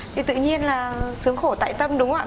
thì tự nhiên là sướng khổ tại tâm đúng không ạ